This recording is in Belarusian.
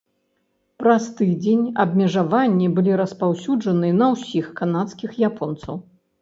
Праз тыдзень абмежаванні былі распаўсюджаны на ўсіх канадскіх японцаў.